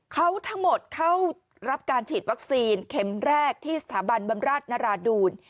เขาทั้งหมดเข้ารับการฉีดวัคซีนเข็มแรกที่สถาบันบำราชนราดูล